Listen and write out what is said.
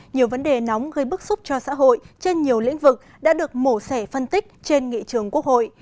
nhiều vấn đề nóng gây bức xúc cho xã hội trên nhiều lĩnh vực đã được mổ sẻ phân tích trên nghị trường quốc hội